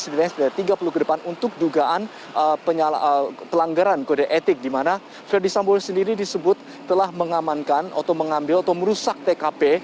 di sini ada tiga puluh kedepan untuk dugaan pelanggaran kode etik di mana verdi sambu sendiri disebut telah mengamankan atau mengambil atau merusak tkp